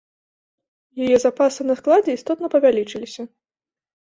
Яе запасы на складзе істотна павялічыліся.